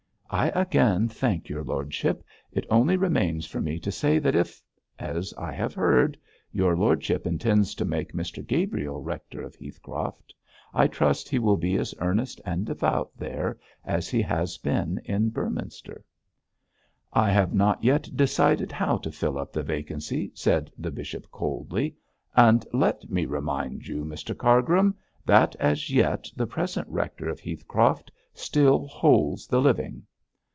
'I again thank your lordship. It only remains for me to say that if as I have heard your lordship intends to make Mr Gabriel rector of Heathcroft, I trust he will be as earnest and devout there as he has been in Beorminster.' 'I have not yet decided how to fill up the vacancy,' said the bishop, coldly, 'and let me remind you, Mr Cargrim, that as yet the present rector of Heathcroft still holds the living.'